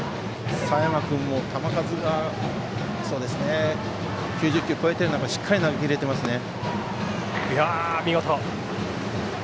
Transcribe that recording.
佐山君も球数が９０球超えてる中しっかり投げきれてますね。